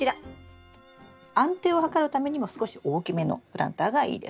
安定を図るためにも少し大きめのプランターがいいです。